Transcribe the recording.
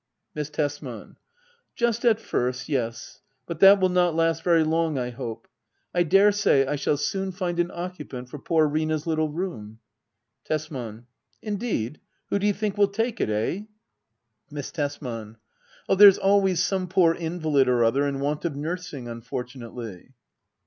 Miss Tesman. Just at first, yes. But that will not last very long, I hope. I daresay I shall soon find an occu pant for poor Rina's little room. Tesman. Indeed ? Who do you think will take it ? Eh > Miss Tesman. Oh, there's always some poor invalid or other in want of nursing, unfortunately.